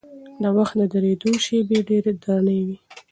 د وخت د درېدو شېبې ډېرې درنې وي.